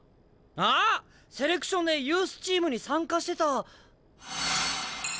セレクションでユースチームに参加してた。